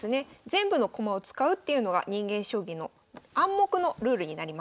全部の駒を使うっていうのが人間将棋の暗黙のルールになります。